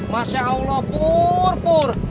masya allah pur